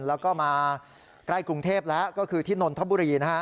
แล้วก็มาใกล้กรุงเทพแล้วก็คือที่นนทบุรีนะฮะ